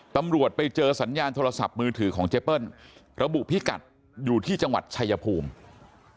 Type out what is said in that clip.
ตำรวจไปเจอสัญญาณโทรศัพท์มือถือของเจเปิ้ลระบุพิกัดอยู่ที่จังหวัดชายภูมิ